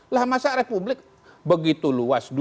lah masa republik begitu luas